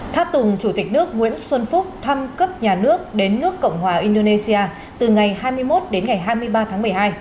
tháp tùng chủ tịch nước nguyễn xuân phúc thăm cấp nhà nước đến nước cộng hòa indonesia từ ngày hai mươi một đến ngày hai mươi ba tháng một mươi hai